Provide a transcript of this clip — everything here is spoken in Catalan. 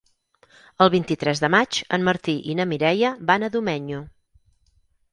El vint-i-tres de maig en Martí i na Mireia van a Domenyo.